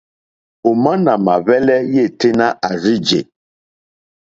Òmá nà mà hwɛ́lɛ́ yêténá à rzí jè.